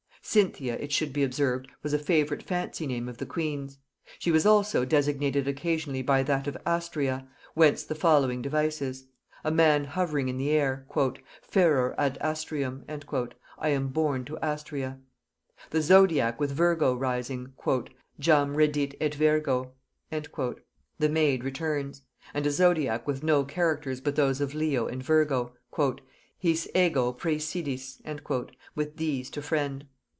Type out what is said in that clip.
Cynthia, it should be observed, was a favorite fancy name of the queen's; she was also designated occasionally by that of Astræa, whence the following devices. A man hovering in the air, "Feror ad Astræam" (I am borne to Astræa). The zodiac with Virgo rising, "Jam redit et Virgo" (The Maid returns); and a zodiac with no characters but those of Leo and Virgo, "His ego præsidiis" (With these to friend).